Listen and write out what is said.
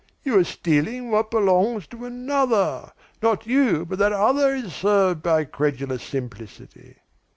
You are stealing what belongs to another! Not you, but that other, is served by credulous simplicity.